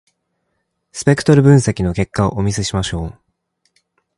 スペクトル分析の結果をお見せしましょう。